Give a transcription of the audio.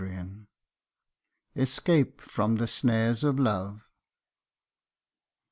182 ESCAPE FROM THE SNARES OF LOVE.